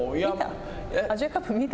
見た？